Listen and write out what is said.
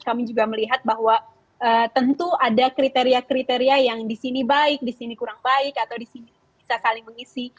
kami juga melihat bahwa tentu ada kriteria kriteria yang di sini baik di sini kurang baik atau di sini bisa saling mengisi